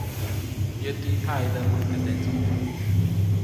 Yäti jaʼidäʼmuŋ teʼ tendsuŋ.